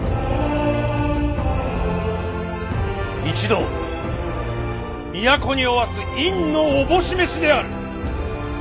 一同都におわす院のおぼし召しである。